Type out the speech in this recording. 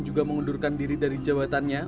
juga mengundurkan diri dari jabatannya